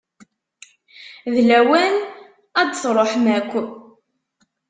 D lawan ad d-truḥem akk.